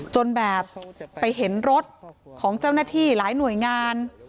จนแบบไปเห็นรถของเจ้าหน้าที่หลายหน่วยงาน